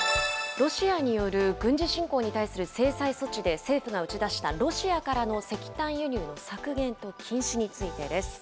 ロシアによる軍事侵攻に対する制裁措置で政府が打ち出したロシアからの石炭輸入の削減と禁止についてです。